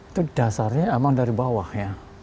itu dasarnya emang dari bawah ya